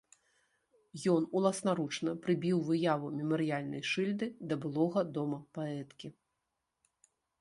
Ён уласнаручна прыбіў выяву мемарыяльнай шыльды да былога дома паэткі.